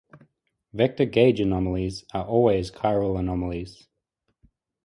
Vector gauge anomalies are always chiral anomalies.